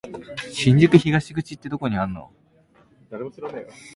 新宿東口ってどこにあんの？